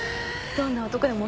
どんな男でも？